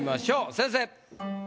先生！